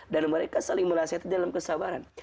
dan mereka saling menasehati dalam kesabaran